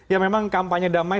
ya memang kampanye damai